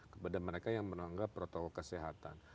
kepada mereka yang melanggar protokol kesehatan